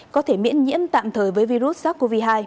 có thể miễn nhiễm tạm thời với virus sars cov hai